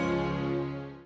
nasi dikit banget lagi